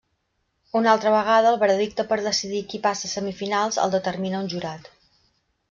Una altra vegada el veredicte per decidir qui passa a semifinals el determina un jurat.